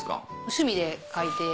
趣味で描いて。